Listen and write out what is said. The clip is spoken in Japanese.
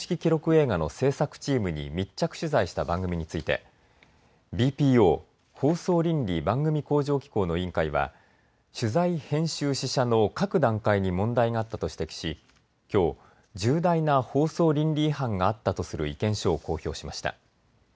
映画の製作チームに密着取材した番組についてＢＰＯ・放送倫理・番組向上機構の委員会は取材、編集、試写の各段階に問題があったと指摘しきょう、重大な放送倫理違反があったとする意見書を公表しました。